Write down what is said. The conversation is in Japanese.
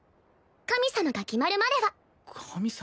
神様が決まるまでは神様？